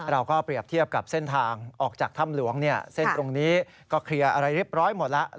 เราก็เปรียบเทียบกับเส้นทางออกจากถ้ำหลวงเส้นตรงนี้ก็เคลียร์อะไรเรียบร้อยหมดแล้ว